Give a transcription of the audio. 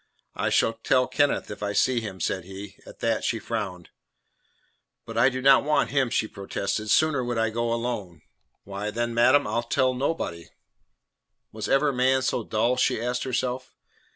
"I shall tell Kenneth if I see him," said he. At that she frowned. "But I do not want him," she protested. "Sooner would I go alone." "Why, then, madam, I'll tell nobody." Was ever man so dull? she asked herself.